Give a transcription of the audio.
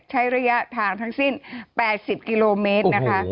ใช้ระยะทางทั้งสิ้น๘๐กิโลเมตรนะคะ